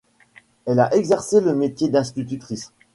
Elle a exercé le métier d’institutrice.